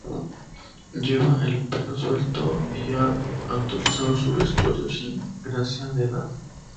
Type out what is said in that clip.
Lleva el pelo suelto y ha actualizado su vestuario sin gracia de edad.